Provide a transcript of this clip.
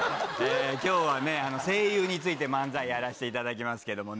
きょうはね、声優について漫才やらせていただきますけどもね。